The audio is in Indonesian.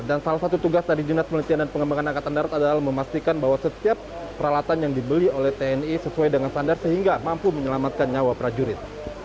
dan salah satu tugas dari jurnal penelitian dan pengembangan angkatan darat adalah memastikan bahwa setiap peralatan yang dibeli oleh tni sesuai dengan standar sehingga mampu menyelamatkan nyawa prajurit